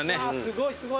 すごいすごい。